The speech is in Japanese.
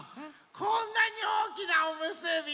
こんなにおおきなおむすび。